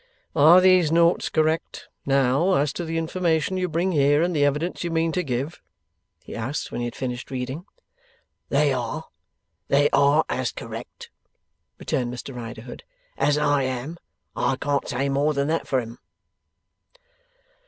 'Are these notes correct, now, as to the information you bring here and the evidence you mean to give?' he asked, when he had finished reading. 'They are. They are as correct,' returned Mr Riderhood, 'as I am. I can't say more than that for 'em.